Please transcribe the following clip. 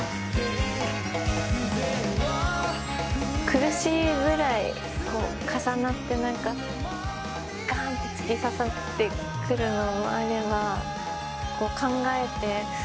苦しいぐらい重なってがんって突き刺さってくるのもあれば考えて。